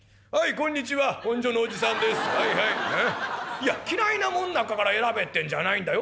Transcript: いや嫌いなもん中から選べってんじゃないんだよ。